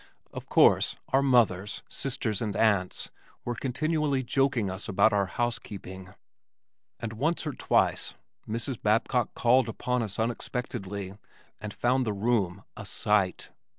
Of course our mothers, sisters and aunts were continually joking us about our housekeeping, and once or twice Mrs. Babcock called upon us unexpectedly and found the room "a sight."